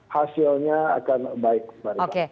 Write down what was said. hasilnya akan baik